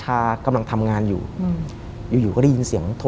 และไม่เคยเข้าไปในห้องมิชชาเลยแม้แต่ครั้งเดียว